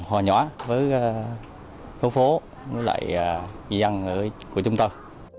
hòa nhỏ với khu phố với lại dân của chúng tôi